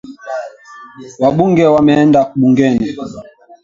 Wabunge wameenda bungeni